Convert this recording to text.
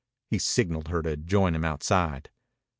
He signaled her to join him outside.